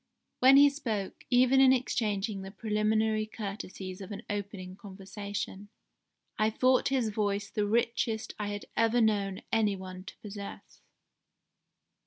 When he spoke, even in exchanging the preliminary courtesies of an opening conversation, I thought his voice the richest I had ever known any one to possess.